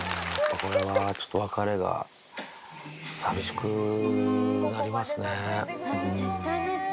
これはちょっと、別れが寂しくなりますね。